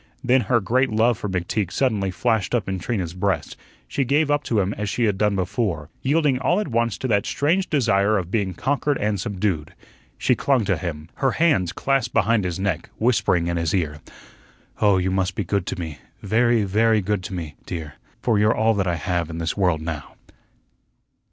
Then her great love for McTeague suddenly flashed up in Trina's breast; she gave up to him as she had done before, yielding all at once to that strange desire of being conquered and subdued. She clung to him, her hands clasped behind his neck, whispering in his ear: "Oh, you must be good to me very, very good to me, dear for you're all that I have in the world now."